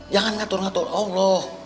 jangan ngatur ngatur allah